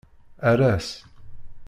Err-as.